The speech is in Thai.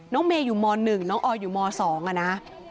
น้องเมอยู่ม๑น้องออยอยู่ม๒อะนะ